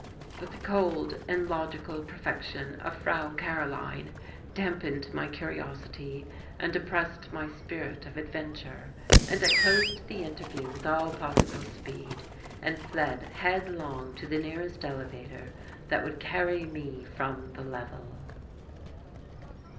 But the cold and logical perfection of Frau Karoline dampened my curiosity and oppressed my spirit of adventure, and I closed the interview with all possible speed and fled headlong to the nearest elevator that would carry me from the level.